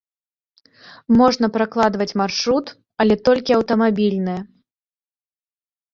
Можна пракладваць маршрут, але толькі аўтамабільны.